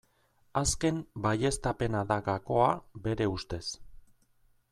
Azken baieztapena da gakoa bere ustez.